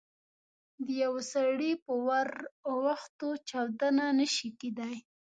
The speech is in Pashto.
د یوه سړي په ور اوښتو چاودنه نه شي کېدای.